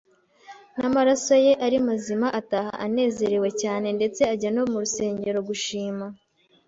n’amaraso ye ari mazima ataha anezerewe cyane ndetse ajya no mu rusengero gushima